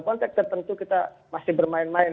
konteks tertentu kita masih bermain main